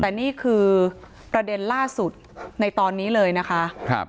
แต่นี่คือประเด็นล่าสุดในตอนนี้เลยนะคะ